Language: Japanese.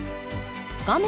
画面